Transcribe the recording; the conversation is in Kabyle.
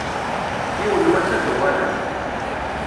Yiwen n wass ad d-uɣalent.